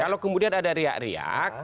kalau kemudian ada riak riak